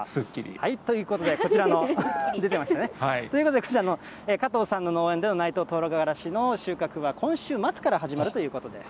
ということで、こちらの出てましたね、ということでこちらの加藤さんの農園での内藤とうがらしの収穫は、今週末から始まるということです。